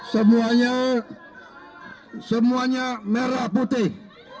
semuanya semuanya merah putih